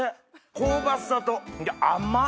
香ばしさと甘っ！